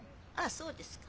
そうですか。